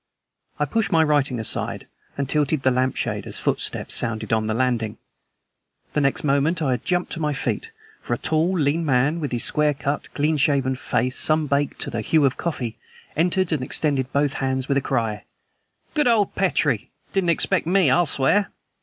I pushed my writing aside and tilted the lamp shade, as footsteps sounded on the landing. The next moment I had jumped to my feet, for a tall, lean man, with his square cut, clean shaven face sun baked to the hue of coffee, entered and extended both hands, with a cry: "Good old Petrie! Didn't expect me, I'll swear!"